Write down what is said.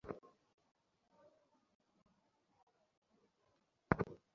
কিন্তু গুগল কিংবা ক্রিকেটের সাইটগুলোও তাৎক্ষণিকভাবে বেশি তথ্য দিতে পারল না।